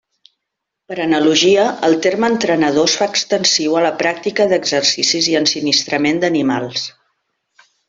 Per analogia, el terme entrenador es fa extensiu a la pràctica d'exercicis i ensinistrament d'animals.